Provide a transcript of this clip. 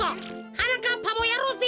はなかっぱもやろうぜ。